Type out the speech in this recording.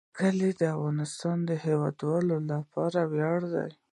کلي د افغانستان د هیوادوالو لپاره ویاړ دی.